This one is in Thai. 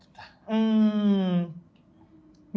อืม